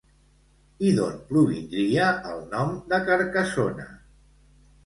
I d'on provindria el nom de Carcassona?